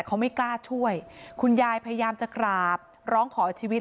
เขาไม่กล้าช่วยคุณยายพยายามจะกราบร้องขอชีวิต